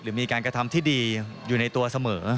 มีการกระทำที่ดีอยู่ในตัวเสมอ